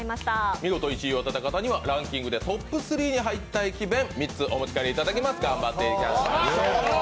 見事１位を当てた方にはランキングでトップ３に入った駅弁３つ、お持ち帰りいただきます頑張っていただきましょう。